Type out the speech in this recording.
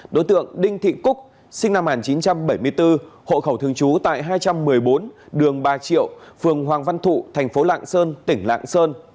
đối tượng đinh thị cúc sinh năm một nghìn chín trăm bảy mươi bốn hộ khẩu thường trú tại hai trăm một mươi bốn đường ba triệu phường hoàng văn thụ thành phố lạng sơn tỉnh lạng sơn